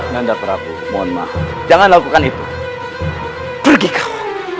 nanda prabu mohon maaf jangan lakukan itu pergi ke